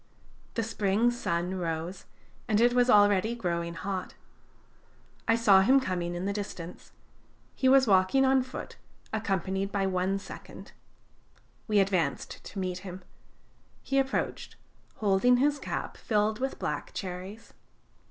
The spring sun rose, and it was already growing hot. I saw him coming in the distance. He was walking on foot, accompanied by one second. We advanced to meet him. He approached, holding his cap filled with black cherries.